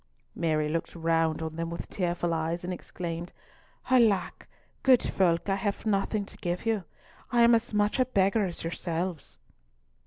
Mary looked round on them with tearful eyes, and exclaimed, "Alack, good folk, I have nothing to give you! I am as much a beggar as yourselves!"